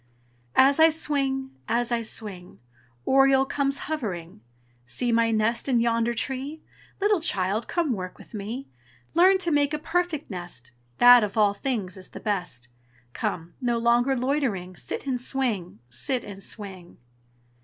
As I swing, as I swing, Oriole comes hovering. "See my nest in yonder tree! Little child, come work with me. Learn to make a perfect nest, That of all things is the best. Come! nor longer loitering Sit and swing, sit and swing!"